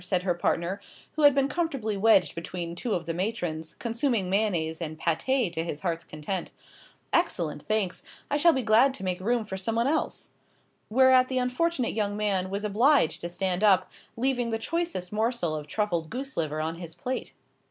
said her partner, who had been comfortably wedged between two of the matrons, consuming mayonnaise and pâté to his heart's content. "Excellent, thanks. I shall be glad to make room for someone else." Whereat the unfortunate young man was obliged to stand up, leaving the choicest morsel of truffled goose liver on his plate.